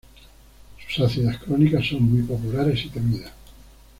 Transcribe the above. Sus ácidas crónicas son muy populares y temidas.